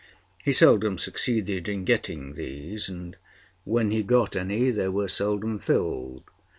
He seldom succeeded in getting these, and when he got any they were seldom filled.